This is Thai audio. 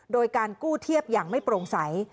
โดยการกู้เทียบอย่างไม่โปร่งใส